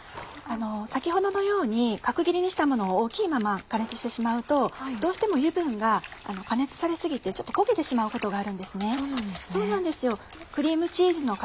先ほどのように角切りにしたものを大きいまま加熱してしまうとどうしても油分が加熱され過ぎてちょっと焦げてしまうことがあるんですね。